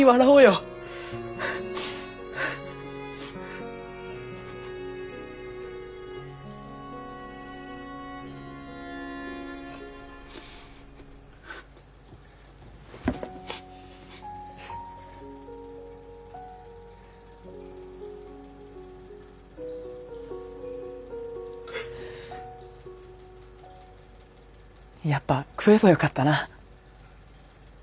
やっぱ食えばよかったなオムライス。